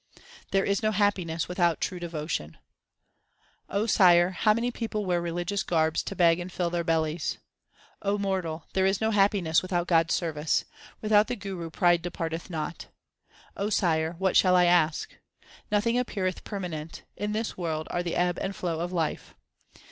There is no happiness without true devotion : O Sire, how many people wear religious garbs to beg and fill their bellies ! O mortal, there is no happiness without God s service ; without the Guru pride depart eth not. O Sire, what shall I ask ? Nothing appeareth per manent ; in this world are the ebb and flow of life.